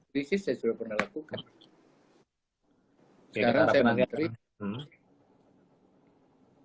krisis saya sudah pernah lakukan